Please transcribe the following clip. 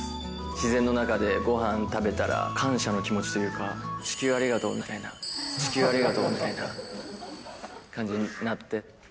自然の中でごはん食べたら、感謝の気持ちというか、地球ありがとう見たいな感じになって。